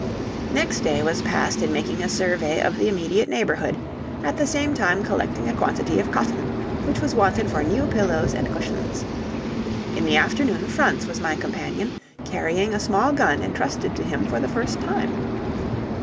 Next day was passed in making a survey of the immediate neighborhood, at the same time collecting a quantity of cotton, which was wanted for new pillows and cushions. In the afternoon Franz was my companion, carrying a small gun entrusted to him for the first time.